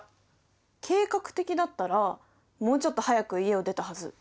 計画的だったらもうちょっと早く家を出たはず。